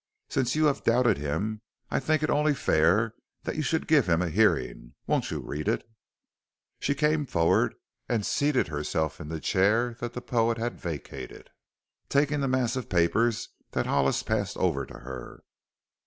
"Since you have doubted him I think it only fair that you should give him a hearing. Won't you read it?" She came forward and seated herself in the chair that the poet had vacated, taking the mass of paper that Hollis passed over to her.